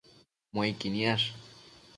Muequi niash